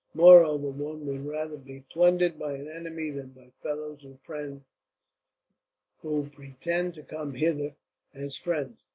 "Moreover, one would rather be plundered by an enemy than by fellows who pretend to come hither as friends.